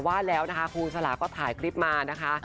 ว่าแล้วนะคะครูสลาก็ถ่ายคลิปมานะคะ